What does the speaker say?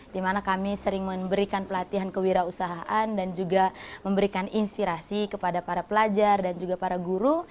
di mana kami sering memberikan pelatihan kewirausahaan dan juga memberikan inspirasi kepada para pelajar dan juga para guru